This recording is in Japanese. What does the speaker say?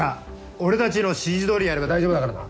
俺たちの指示どおりやれば大丈夫だからな。